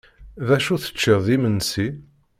D acu teččiḍ d imensi?